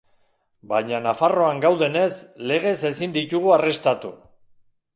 Baina Nafarroan gaudenez, legez ezin ditugu arrestatu.